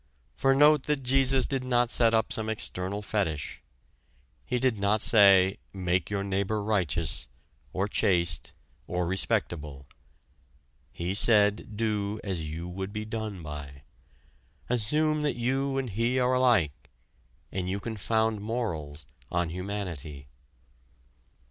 For note that Jesus did not set up some external fetich: he did not say, make your neighbor righteous, or chaste, or respectable. He said do as you would be done by. Assume that you and he are alike, and you can found morals on humanity.